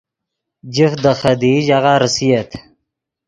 جفت دے خدیئی ژاغہ ریسییت